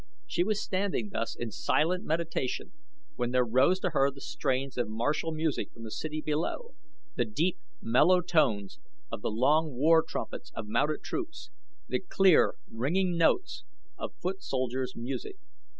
She was standing thus in silent meditation when there rose to her the strains of martial music from the city below the deep, mellow tones of the long war trumpets of mounted troops, the clear, ringing notes of foot soldiers' music.